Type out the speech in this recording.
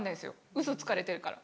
ウソつかれてるから。